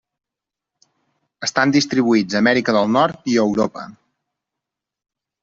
Estan distribuïts a Amèrica del Nord i a Europa.